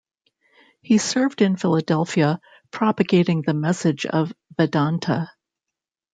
He served in Philadelphia propagating the message of Vedanta.